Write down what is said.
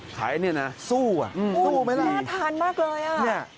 ขายเนี่ยนะสู้เหรอสู้ไม่ได้เลยน่าทานมากเลย